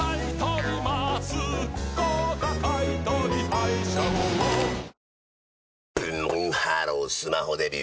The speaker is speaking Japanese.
ブンブンハロースマホデビュー！